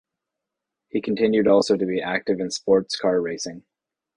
He continued also to be active in sports car racing.